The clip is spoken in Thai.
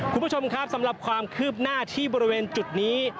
คุณผู้ชมครับสำหรับความคืบหน้าที่บริเวณจุดนี้